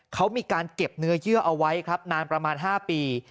เขามีการเก็บเนื้อเยื่อเอาไว้ครับนานประมาณ๕ปี